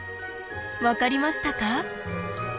分かりましたか？